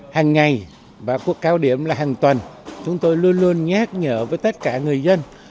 hàng ngày và cuộc cao điểm là hàng tuần chúng tôi luôn luôn nhắc nhở với tất cả người dân